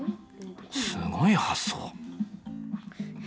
すごい発想。